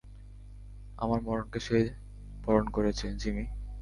আমার মরণকে সে বরণ করেছে, জিমি।